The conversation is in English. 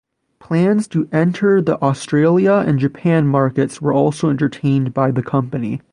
Plans to enter the Australia and Japan markets were also entertained by the company.